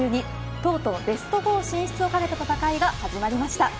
とうとうベスト４進出を懸けた戦いが始まりました。